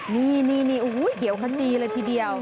อ้อนี่โอ้เหลียวขนตรีเลยทีเดียว